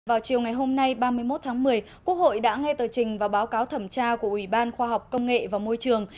vào chiều ngày hôm nay ba mươi một tháng một mươi quốc hội đã nghe tờ trình và báo cáo thẩm tra của ủy ban khoa học công nghệ và môi trường